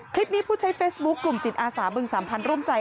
คลิปนี้ผู้ใช้เฟสบุ๊คกลุ่มจิตอาสาพเมิงสัมพันธ์ร่วมใจ